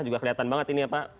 juga kelihatan banget ini apa